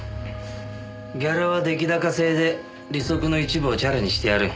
ギャラは出来高制で利息の一部をチャラにしてやる。